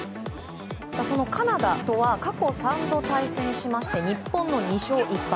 そのカナダとは過去３度、対戦しまして日本の２勝１敗。